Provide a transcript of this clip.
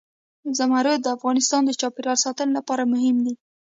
زمرد د افغانستان د چاپیریال ساتنې لپاره مهم دي.